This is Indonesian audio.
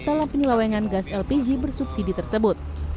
dalam penyelewengan gas lpg bersubsidi tersebut